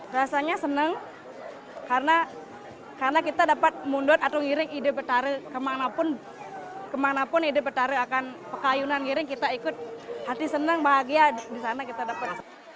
rasanya senang karena kita dapat mundut atau ngiring ide betare kemanapun ide betare akan pekayunan ngiring kita ikut hati senang bahagia disana kita dapat